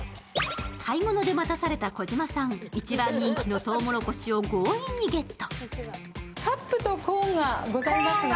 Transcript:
買い物で待たされた児嶋さん、一番人気のとうもろこしをゲット。